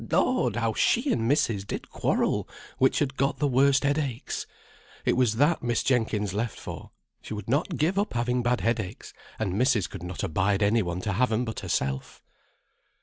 Lord! how she and missis did quarrel which had got the worst headaches; it was that Miss Jenkins left for; she would not give up having bad headaches, and missis could not abide any one to have 'em but herself."